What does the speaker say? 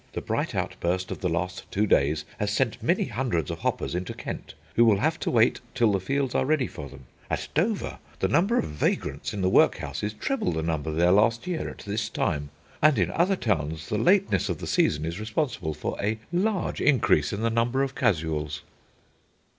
The bright outburst of the last two days has sent many hundreds of hoppers into Kent, who will have to wait till the fields are ready for them. At Dover the number of vagrants in the workhouse is treble the number there last year at this time, and in other towns the lateness of the season is responsible for a large increase in the number of casuals.